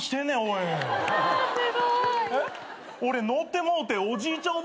俺乗ってもうておじいちゃん